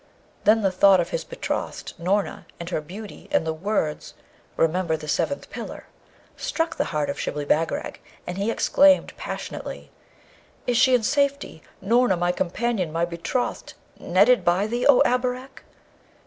Then the thought of his betrothed Noorna, and her beauty, and the words, 'Remember the seventh pillar,' struck the heart of Shibli Bagarag, and he exclaimed passionately, 'Is she in safety? Noorna, my companion, my betrothed, netted by thee, O Abarak!'